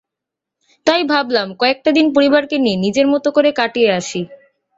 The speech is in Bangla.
তাই ভাবলাম, কয়েকটা দিন পরিবারকে নিয়ে নিজের মতো করে কাটিয়ে আসি।